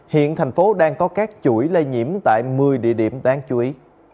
hiện thành phố đang có các chuỗi lây nhiễm tại một mươi địa điểm đáng chú ý